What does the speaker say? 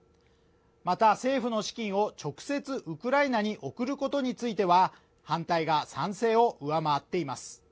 また、政府の資金を直接ウクライナに送ることについては反対が賛成を上回っています。